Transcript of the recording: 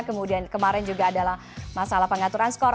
kemudian kemarin juga adalah masalah pengaturan skor